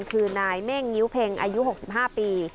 คือนายเม่งงิ้วเพ็งอายุ๖๕ปี